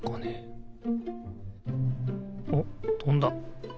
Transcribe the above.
おっとんだ。